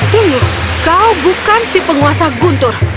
tunggu kau bukan si penguasa guntur